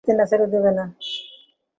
দিতে না চাইলে দেবেন না।